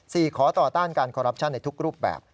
ขอต่อต้านการคอรัปชั่นในทุกรูปแบบ